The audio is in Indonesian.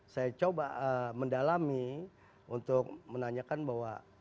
saya coba mendalami untuk menanyakan bahwa